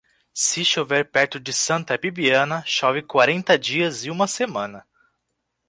Se chover perto de Santa Bibiana, chove quarenta dias e uma semana.